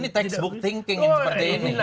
ini textbook thinking yang seperti ini